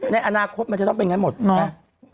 ในอนาคตมันจะต้องเป็นอย่างนั้นหมด